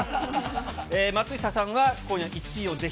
松下さんが今夜、１位をぜひ。